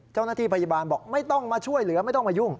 เจ้าหน้าที่พยาบาลบอกไม่ต้องมาช่วยเหลือไม่ต้องมายุ่ง